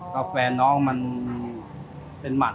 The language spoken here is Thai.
กาแฟนน้องมันผิด